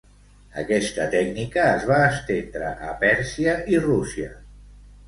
Aquesta tècnica es va estendre a Pèrsia i Rússia.